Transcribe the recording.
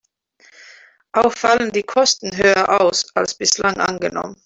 Auch fallen die Kosten höher aus, als bislang angenommen.